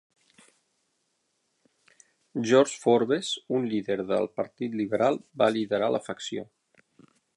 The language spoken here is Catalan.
George Forbes, un líder del Partit Liberal, va liderar la facció.